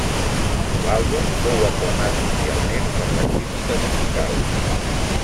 L'àlbum fou aclamat mundialment per la crítica musical.